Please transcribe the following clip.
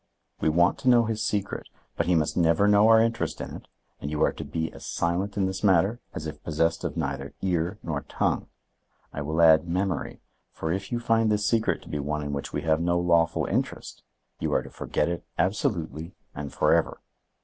We want to know his secret; but he must never know our interest in it and you are to be as silent in this matter as if possessed of neither ear nor tongue. I will add memory, for if you find this secret to be one in which we have no lawful interest, you are to forget it absolutely and for ever.